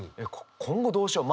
今後どうしよう。